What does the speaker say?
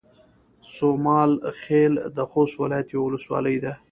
سومال خيل د خوست ولايت يوه ولسوالۍ ده